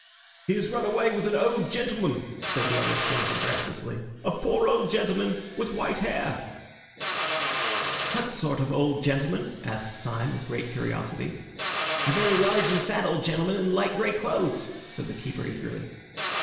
"He has run away with an old gentleman," said the other stranger breathlessly, "a poor old gentleman with white hair!" "What sort of old gentleman?" asked Syme, with great curiosity. "A very large and fat old gentleman in light grey clothes," said the keeper eagerly.